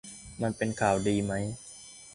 มันเป็นข่าวดีมั้ย